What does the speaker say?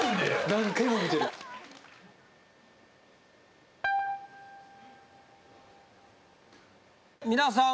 何回も見てる皆さん